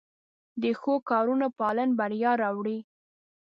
د ښو کارونو پالن بریا راوړي.